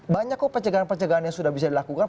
banyak kok pencegahan pencegahan yang sudah bisa dilakukan